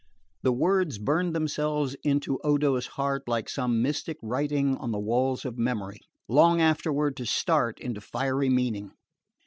The words burned themselves into Odo's heart like some mystic writing on the walls of memory, long afterward to start into fiery meaning.